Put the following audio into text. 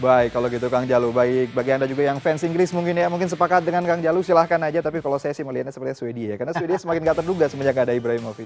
baik kalau gitu kang jalu baik bagi anda juga yang fans inggris mungkin ya mungkin sepakat dengan kang jalu silahkan aja tapi kalau saya sih melihatnya seperti sweden ya karena sweden semakin gak terduga semenjak gak ada ibrahimovi